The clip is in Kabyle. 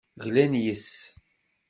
Glan yes-s.